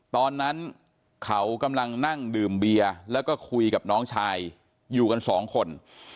ตอนนั้นเขากำลังนั่งดื่มเบียร์แล้วก็คุยกับน้องชายอยู่กันสองคน